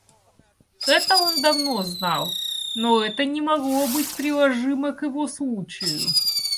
Это он давно знал, но это не могло быть приложимо к его случаю.